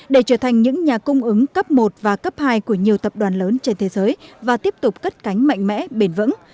để trở thành những nhà cung ứng cấp một và cấp hai của nhiều tập đoàn lớn trên thế giới và tiếp tục cất cánh mạnh mẽ bền vững